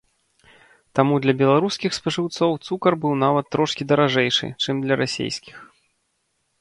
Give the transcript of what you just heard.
Таму для беларускіх спажыўцоў цукар быў нават трошкі даражэйшы, чым для расейскіх.